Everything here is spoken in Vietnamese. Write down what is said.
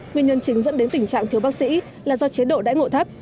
nguyên nhân chính dẫn đến tình trạng thiếu bác sĩ là do chế độ đãi ngộ thấp